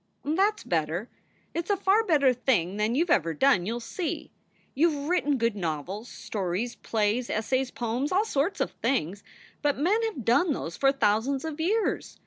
"That s better. It s a far better thing than you ve ever done. You ll see. You ve written good novels, stories, plays, essays, poems all sorts of things; but men have done those for thousands of years.